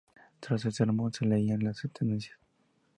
Tras el sermón se leían las sentencias.